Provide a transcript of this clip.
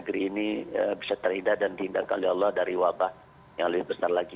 dan diindahkan oleh allah dari wabah yang lebih besar lagi